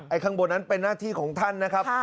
ข้างบนนั้นเป็นหน้าที่ของท่านนะครับ